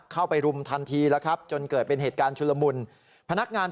เข้าไปรุมทันทีแล้วครับจนเกิดเป็นเหตุการณ์ชุลมุนพนักงาน